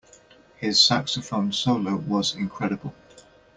His saxophone solo was incredible.